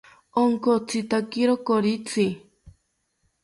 Onkotzitakiro koritzi